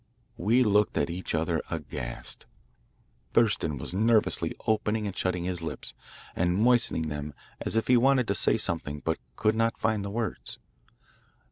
We looked at each other aghast. Thurston was nervously opening and shutting his lips and moistening them as if he wanted to say something but could not find the words.